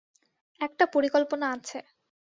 একটা পরিকল্পনা আছে।